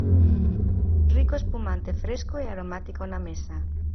Rico espumante fresco e aromático na mesa.